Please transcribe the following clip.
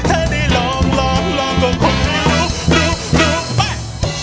ถ้าได้ลองลองลองก็คงรู้รู้รู้ไป